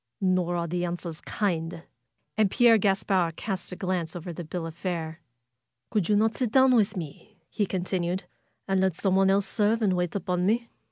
''Nor are the answers kind !" And Pierre Gaspard cast a glance over the bill of fare. "Could you not sit down with me?" he continued. "And let someone else serve and wait upon me?"